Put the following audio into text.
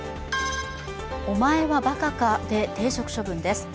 お前はばかかで停職処分です。